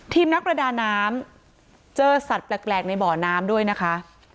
นักประดาน้ำเจอสัตว์แปลกในบ่อน้ำด้วยนะคะ